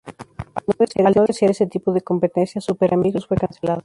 Al no desear ese tipo de competencia, "Súper Amigos" fue cancelada.